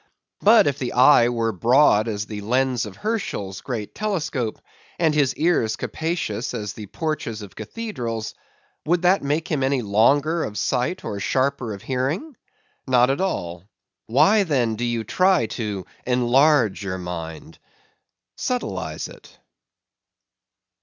But if his eyes were broad as the lens of Herschel's great telescope; and his ears capacious as the porches of cathedrals; would that make him any longer of sight, or sharper of hearing? Not at all.—Why then do you try to "enlarge" your mind? Subtilize it.